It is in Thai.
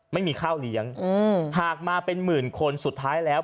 ไม่มีข้าวเลี้ยงหากมาเป็นหมื่นคนสุดท้ายแล้ว